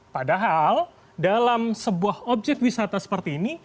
padahal dalam sebuah objek wisata seperti ini